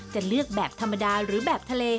จะเลือกแบบธรรมดาหรือแบบทะเล